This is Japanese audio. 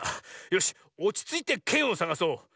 よしおちついてけんをさがそう。